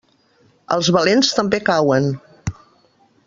Els valents també cauen.